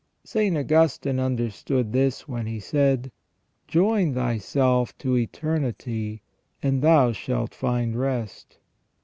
St. Augustine understood this when he said :" Join thyself to eternity, and thou shalt find rest